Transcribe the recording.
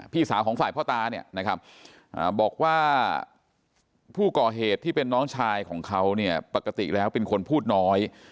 พี่สาวของฝ่ายพ่อตาเนี่ยนะครับบอกว่าผู้ก่อเหตุที่เป็นน้องชายของเขาเนี่ยปกติแล้วเป็นคนพูดน้อย